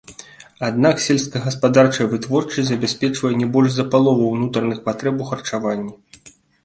Аднак сельскагаспадарчая вытворчасць забяспечвае не больш за палову ўнутраных патрэб у харчаванні.